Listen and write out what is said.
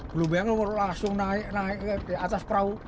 gelombangnya langsung naik naik ke atas perahu